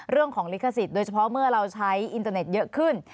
เรื่องของลิขสิทธิ์โดยเฉพาะเมื่อเราใช้อินเตอร์เน็ตเยอะขึ้น